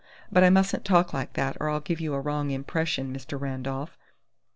But I mustn't talk like that, or I'll give you a wrong impression, Mr. Randolph.